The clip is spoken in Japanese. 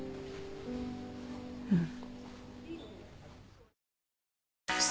うん。